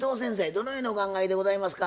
どのようにお考えでございますか？